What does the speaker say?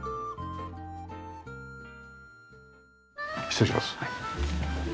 失礼します。